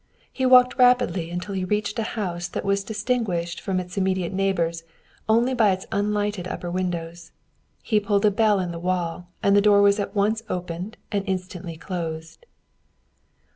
He walked rapidly until he reached a house that was distinguished from its immediate neighbors only by its unlighted upper windows. He pulled the bell in the wall, and the door was at once opened and instantly closed.